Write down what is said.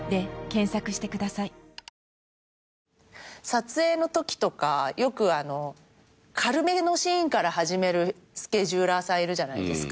撮影のときとかよく軽めのシーンから始めるスケジューラーさんいるじゃないですか。